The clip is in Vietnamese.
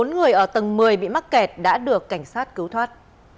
bốn người ở tầng một mươi bị mắc kẹt đã được cảnh sát cứu thoát